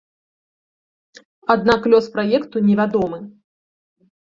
Аднак лёс праекту невядомы.